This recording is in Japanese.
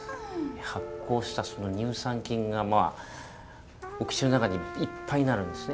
発酵した乳酸菌がお口の中にいっぱいになるんですね。